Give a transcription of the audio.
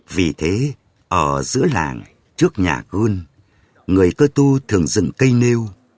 vì thế ở giữa làng trước nhà gương người cơ tu thường dừng cây nêu